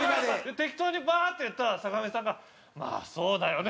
適当にバーッて言ったら坂上さんが「まあそうだよね」